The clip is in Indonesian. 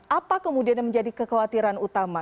apa kemudian yang menjadi kekhawatiran utama